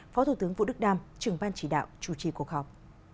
phó thủ tướng vũ đức đam trưởng ban chỉ đạo chủ trì cuộc họp